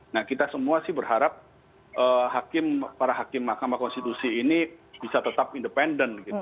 nah kita semua sih berharap para hakim mahkamah konstitusi ini bisa tetap independen gitu